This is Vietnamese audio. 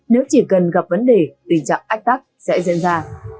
nếu chỉ cần gặp vấn đề tình trạng ách tắc sẽ diễn ra